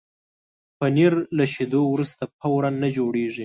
پنېر له شیدو وروسته فوراً نه جوړېږي.